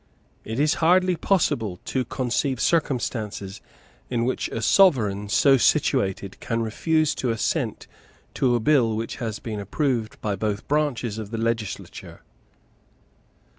It is hardly possible to conceive circumstances in which a Sovereign so situated can refuse to assent to a bill which has been approved by both branches of the legislature.